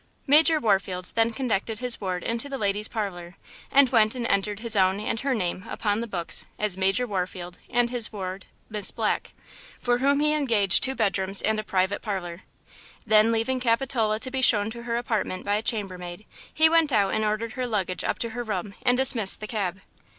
Major Warfield then conducted his ward into the ladies' parlor, and went and entered his own and her name upon the books as "Major Warfield and his ward, Miss Black," for whom he engaged two bedrooms and a private parlor. Then, leaving Capitola to be shown to her apartment by a chambermaid, he went out and ordered her luggage up to her room and dismissed the cab.